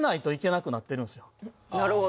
なるほど。